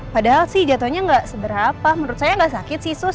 padahal sih jatuhnya nggak seberapa menurut saya nggak sakit sih